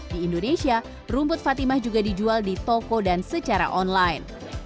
di indonesia rumput fatimah juga dijual di toko dan secara online